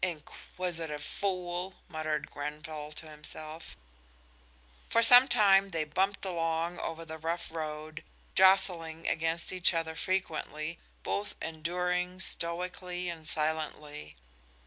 "Inquisitive fool!" muttered Gren to him= self. For some time they bumped along over the rough road, jostling against each other frequently, both enduring stoically and silently.